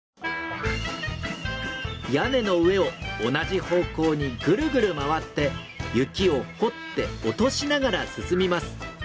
屋根の上を同じ方向にぐるぐる回って雪を掘って落としながら進みます。